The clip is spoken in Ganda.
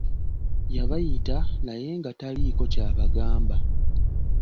Yabayita naye nga taliiko kyabagamba.